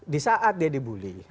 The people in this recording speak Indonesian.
di saat dia dibully